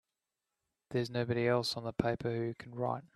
There's nobody else on the paper who can write!